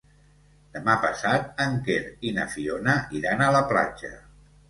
Demà passat en Quer i na Fiona iran a la platja.